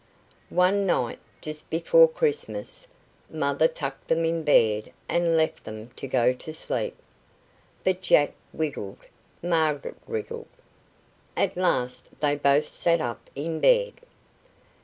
One night, just before Christmas, Mother tucked them in bed and left them to go to sleep. But Jack wiggled, Margaret wriggled. At last they both sat up in bed.